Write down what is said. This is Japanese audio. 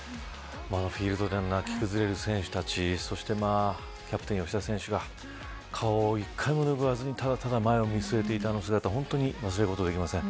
フィールドで泣き崩れる選手たちそして、キャプテン吉田選手が顔を１回もぬぐわずにただただ、前を見つめていた姿忘れることができません。